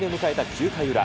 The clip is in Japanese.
９回裏。